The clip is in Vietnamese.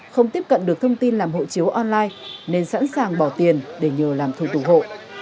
không tiếp cận được thông tin làm hộ chiếu online nên sẵn sàng bỏ tiền để nhờ làm thủ tục hộ